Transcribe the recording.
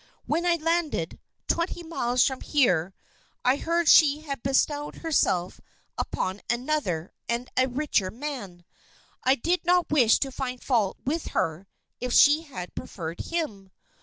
When I landed, twenty miles from here, I heard she had bestowed herself upon another and a richer man. I did not wish to find fault with her if she had preferred him.